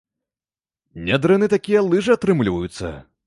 Нядрэнныя такія лыжы атрымліваюцца.